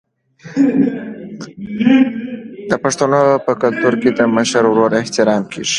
د پښتنو په کلتور کې د مشر ورور احترام کیږي.